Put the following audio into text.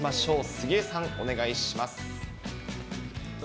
杉江さん、お願いします。